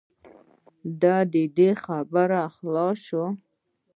دا دی خبره خلاصه شوه.